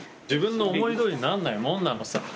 自分の思いどおりになんないもんなのさ。